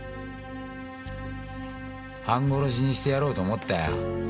半殺しにしてやろうと思ったよ。